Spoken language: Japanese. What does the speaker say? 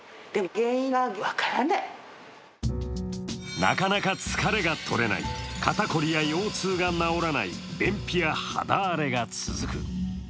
なかなか疲れが取れない肩凝りや腰痛が治らない便秘や肌荒れが続く。